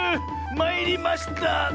まいりました！